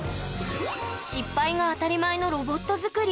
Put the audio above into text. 失敗が当たり前のロボット作り